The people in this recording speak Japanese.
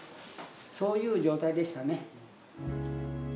そういう状態でしたね。